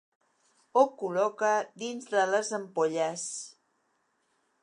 Ho col·loca dins de les ampolles.